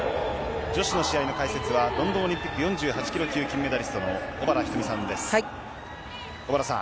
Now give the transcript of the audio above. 女子の試合の解説はロンドンオリンピック４８ｋｇ級金メダリストの小原日登美さんです。